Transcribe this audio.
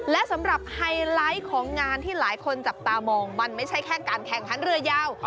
และสำหรับไฮไลท์ของงานที่หลายคนจับตามองมันไม่ใช่แค่การแข่งขันเรือยาว